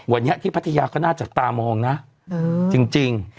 วันนี้ที่พัทยาก็น่าจับตามองนะจริง